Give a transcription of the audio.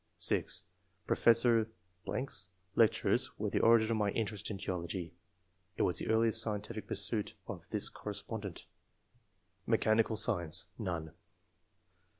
(6) Professor ... /s lectures were the origin of my interest in geology [It was the earliest scientific pursuit of this correspondent]. Mechanical Science. — None.